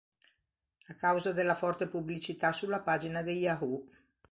A causa della forte pubblicità sulla pagina di Yahoo!